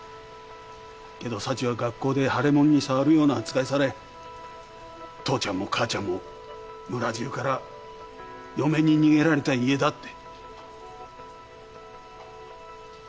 けど幸は学校で腫れもんに触るような扱いされ父ちゃんも母ちゃんも村じゅうから嫁に逃げられた家だって。